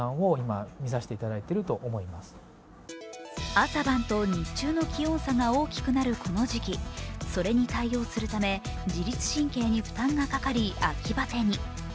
朝晩と日中の気温差が大きくなるこの時期、それに対応するため自律神経に負担がかかり、秋バテに。